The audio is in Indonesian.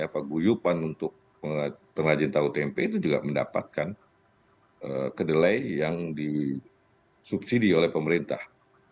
paguyupan untuk pengrajin tahu tempe itu juga mendapatkan kedelai yang disubsidi oleh pemerintah